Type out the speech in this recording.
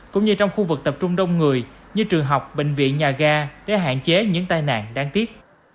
cũng như trong khu vực tập trung đông người như trường học bệnh viện nhà ga để hạn chế những tai nạn đáng tiếc